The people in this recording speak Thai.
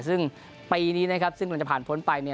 ซึ่งปีนี้ซึ่งกลับผ่านพ้นไป